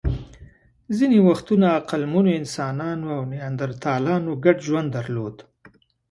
ځینې وختونه عقلمنو انسانانو او نیاندرتالانو ګډ ژوند درلود.